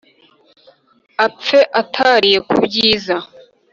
Apfe atariye ku byiza